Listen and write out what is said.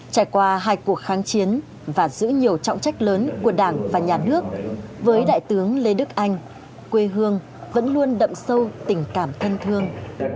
trải qua hai cuộc kháng chiến và giữ nhiều trọng trách lớn của đảng và nhà nước với đại tướng lê đức anh quê hương vẫn luôn đậm sâu tình cảm thân thương